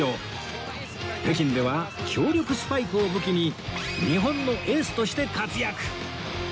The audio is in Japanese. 北京では強力スパイクを武器に日本のエースとして活躍